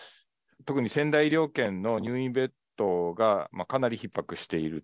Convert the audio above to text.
特に仙台医療圏の入院ベッドがかなりひっ迫している。